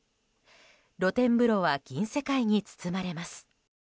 露天風呂は銀世界に包まれます。